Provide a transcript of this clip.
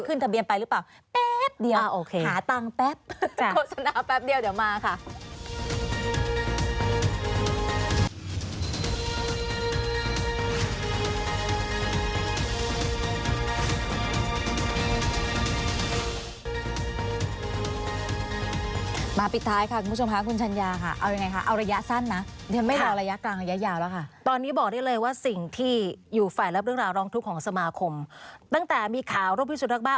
ขึ้นทะเบียนไปหรือเปล่าแป๊บเดียวหาตังค์แป๊บ